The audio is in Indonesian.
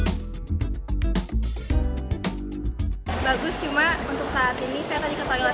terus di su juga ada